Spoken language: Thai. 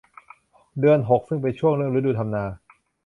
เดือนหกซึ่งเป็นช่วงเริ่มฤดูทำนา